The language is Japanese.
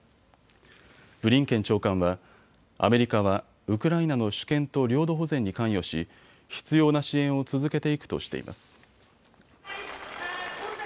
ブリンケン長官はアメリカはウクライナの主権と領土保全に関与し必要な支援を続けていくとしています。